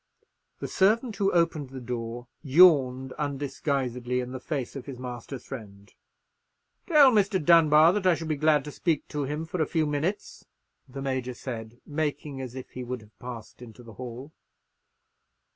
The servant who opened the door yawned undisguisedly in the face of his master's friend. "Tell Mr. Dunbar that I shall be glad to speak to him for a few minutes," the Major said, making as if he would have passed into the hall.